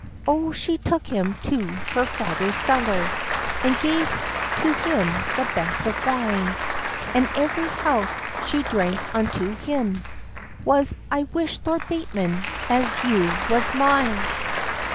O she took him to her father's cellar, And gave to him the best of wine; And every health she drank unto him Was "I wish, Lord Bateman, as you was mine."